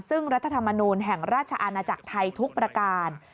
ซึ่งรัฐธรรมนูลแห่งราชอาณาจักรไทยทุกประการ